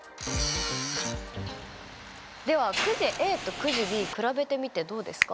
ではくじＡとくじＢ比べてみてどうですか？